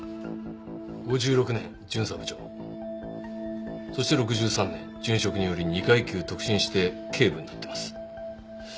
「５６年巡査部長」そして６３年殉職により二階級特進して警部になってます